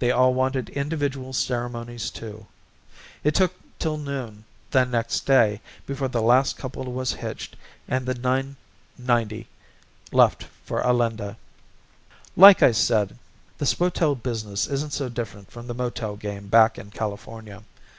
They all wanted individual ceremonies, too. It took till noon the next day before the last couple was hitched and the 990 left for Alinda. Like I said, the spotel business isn't so different from the motel game back in California.